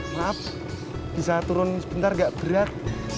maaf bisa turun sebentar nggak berat